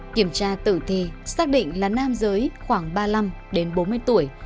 kiểm tra tử thi xác định là nam giới khoảng ba mươi năm đến bốn mươi tuổi